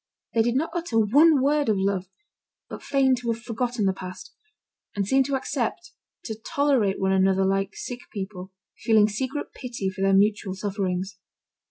They did not utter one word of love, but feigned to have forgotten the past; and seemed to accept, to tolerate one another like sick people, feeling secret pity for their mutual sufferings.